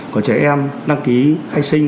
của trẻ em đăng ký khai sinh